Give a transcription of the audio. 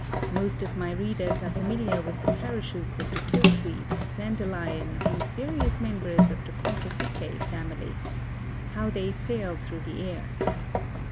Most of my readers are familiar with the parachutes of the silk weed, dandelion and various members of the Compositae family. How they sail through the air.